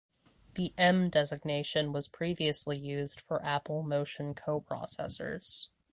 The "M" designation was previously used for Apple motion coprocessors.